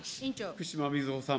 福島みずほさん。